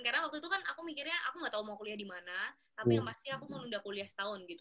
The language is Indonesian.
karena waktu itu kan aku mikirnya aku gak tau mau kuliah dimana tapi yang pasti aku mau nunda kuliah setahun gitu